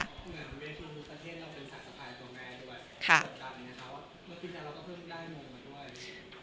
เหมือนบริเวณภูมิประเทศแล้วเป็นสัตว์สะพายตัวแม่ด้วย